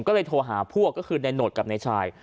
ก็เลยโทรหาพวกก็คือในโหดกับนายชาย